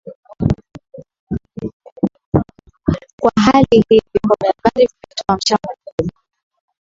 Kwa hali hii vyombo vya habari vimetoa mchango mkubwa